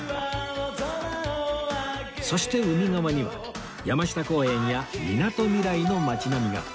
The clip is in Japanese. そして海側には山下公園やみなとみらいの街並みが